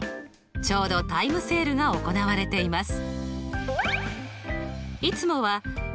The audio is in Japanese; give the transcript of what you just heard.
ちょうどタイムセールが行われています。